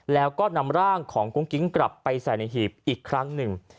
แล้วก็นำร่างของกุ้งกิ๊งกลับไปใส่ในหีบอีกครั้งหนึ่ง